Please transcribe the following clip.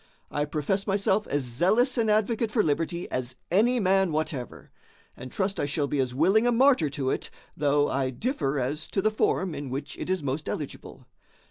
I profess myself as zealous an advocate for liberty as any man whatever; and trust I shall be as willing a martyr to it, though I differ as to the form in which it is most eligible.